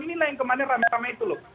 inilah yang kemarin rame rame itu loh